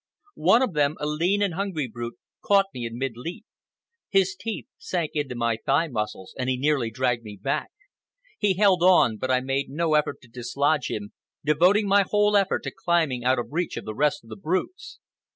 One of them, a lean and hungry brute, caught me in mid leap. His teeth sank into my thigh muscles, and he nearly dragged me back. He held on, but I made no effort to dislodge him, devoting my whole effort to climbing out of reach of the rest of the brutes.